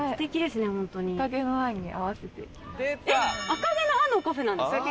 「赤毛のアン」のカフェなんですか。